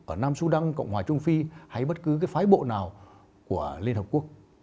ở nam sudan cộng hòa trung phi hay bất cứ cái phái bộ nào của liên hợp quốc